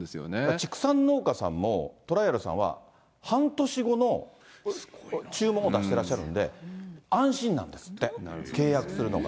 畜産農家さんもトライアルさんは、半年後の注文を出してらっしゃるんで、安心なんですって、契約するのが。